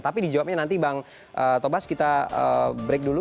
tapi dijawabnya nanti bang tobas kita break dulu